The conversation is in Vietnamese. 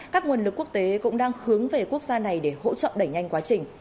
các nguồn lực quốc tế cũng đang hướng về quốc gia này để hỗ trợ đẩy nhanh quá trình